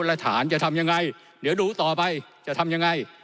และฐานจะทำยังไงเดี๋ยวดูต่อไปจะทำยังไง